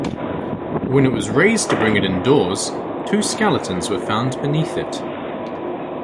When it was raised to bring it indoors, two skeletons were found beneath it.